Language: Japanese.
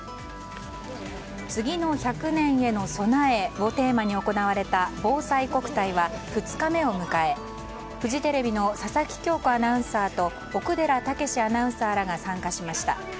次の１００年への備えをテーマに行われたぼうさいこくたいは２日目を迎えフジテレビの佐々木恭子アナウンサーと奥寺健アナウンサーらが参加しました。